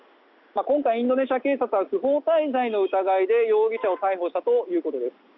今回、インドネシア警察は不法滞在の疑いで容疑者を逮捕したということです。